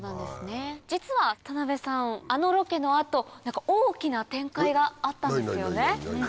実は田辺さんあのロケの後大きな展開があったんですよね？